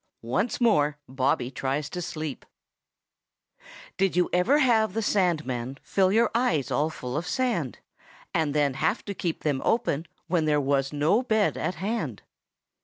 ONCE MORE BOBBY TRIES TO SLEEP Did you ever have the Sandman Fill your eyes all full of sand And then have to keep them open When there was no bed at hand?